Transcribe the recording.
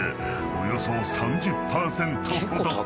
およそ３０％ほど］